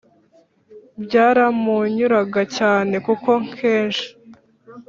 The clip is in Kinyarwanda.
byaramunyuraga cyane kuko kenshi